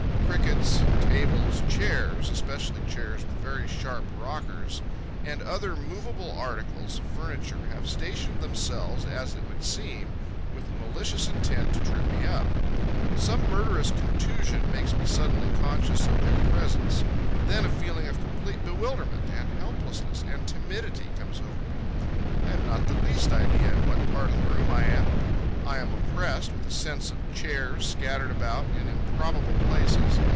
Crickets, tables, chairs (especially chairs with very sharp rockers), and other movable articles of furniture, have stationed themselves, as it would seem, with malicious intent to trip me up. Some murderous contusion makes me suddenly conscious of their presence. Then a feeling of complete bewilderment and helplessness and timidity comes over me. I have not the least idea in what part of the room I am. I am oppressed with a sense of chairs, scattered about in improbable places.